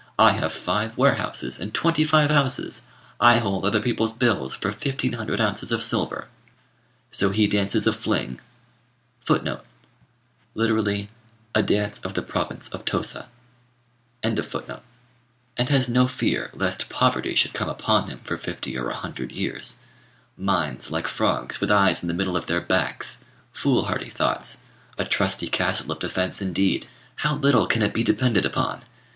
I have five warehouses and twenty five houses. I hold other people's bills for fifteen hundred ounces of silver." So he dances a fling for joy, and has no fear lest poverty should come upon him for fifty or a hundred years. Minds like frogs, with eyes in the middle of their backs! Foolhardy thoughts! A trusty castle of defence indeed! How little can it be depended upon!